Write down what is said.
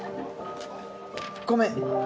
ごめん！